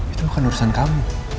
itu bukan urusan kamu